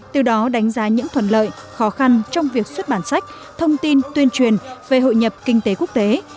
từ đó đánh giá những thuần lợi khó khăn trong việc xuất bản sách thông tin tuyên truyền về hội nhập kinh tế quốc tế